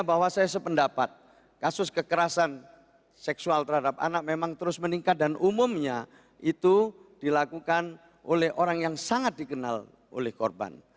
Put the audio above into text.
bahwa saya sependapat kasus kekerasan seksual terhadap anak memang terus meningkat dan umumnya itu dilakukan oleh orang yang sangat dikenal oleh korban